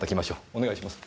お願いします。